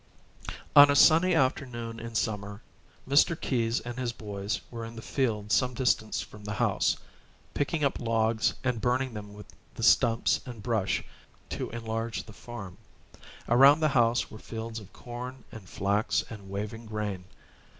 On a sunny afternoon in summer Mr. Keyes and his boys were in the field some distance from the house, picking up logs and burning them with the stumps and brush, to enlarge the farm. Around the house were fields of corn and flax and waving grain.